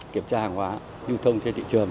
kiểm tra hàng hóa du thông trên thị trường